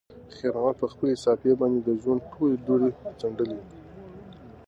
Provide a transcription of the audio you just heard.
خیر محمد په خپلې صافې باندې د ژوند ټولې دوړې څنډلې.